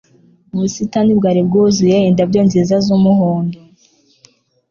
Ubusitani bwari bwuzuye indabyo nziza z'umuhondo.